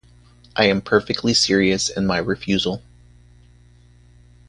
I am perfectly serious in my refusal.